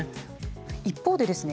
一方でですね